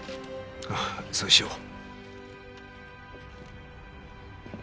ああそうしよう。